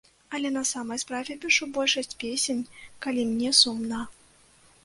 Але на самай справе, пішу большасць песень, калі мне сумна.